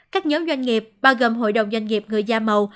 các nhóm doanh nghiệp bao gồm hội đồng doanh nghiệp người da màu